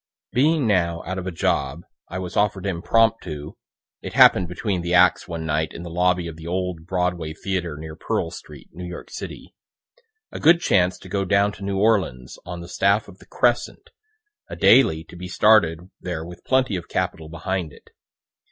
Being now out of a job, I was offer'd impromptu, (it happen'd between the acts one night in the lobby of the old Broadway theatre near Pearl street, New York city,) a good chance to go down to New Orleans on the staff of the "Crescent," a daily to be started there with plenty of capital behind it.